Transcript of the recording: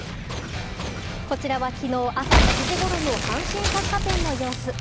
こちらはきのう朝７時頃の阪神百貨店の様子。